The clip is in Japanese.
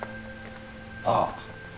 ああ